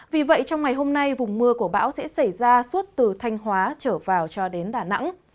vì vậy trong ngày hôm nay vùng mưa của bão sẽ xảy ra suốt từ thanh hóa trở vào cho đến đà nẵng